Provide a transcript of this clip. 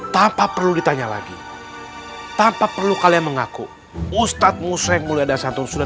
tanpa perlu ditanya lagi tanpa perlu kalian mengaku ustadz musreng mulia dan santun sudah